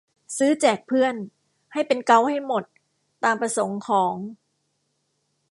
ซื้อแจกเพื่อน ให้เป็นเก๊าท์ให้หมด ตามประสงค์ของ